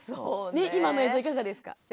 今の映像いかがですか？